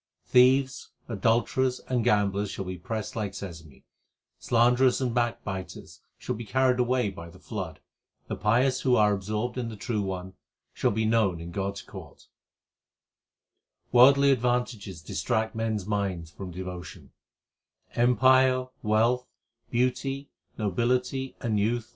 Thieves, adulterers, and gamblers shall be pressed like sesame ; Slanderers and backbiters shall be carried away by the flood. The pious who are absorbed in the True One shall be known in God s court. HYMNS OF GURU NANAK 377 Worldly advantages distract men s minds from devotion : Empire, wealth, beauty, nobility, and youth